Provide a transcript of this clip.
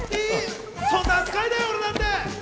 そんな扱いだよ、俺なんて！